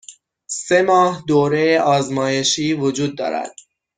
سه ماه دوره آزمایشی وجود دارد.